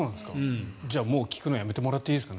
じゃあ、もう聴くのやめてもらっていいですか？